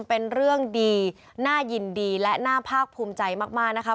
เป็นเรื่องดีน่ายินดีและน่าภาคภูมิใจมากนะคะ